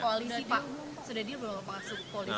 koalisi pak sudah dia belum masuk koalisi pemerintah